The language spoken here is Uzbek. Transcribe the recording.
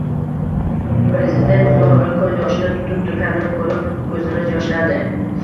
Prezident zo‘rg‘a ko‘z yoshini tutib turganini ko‘rib ko‘zimiz yoshlandi.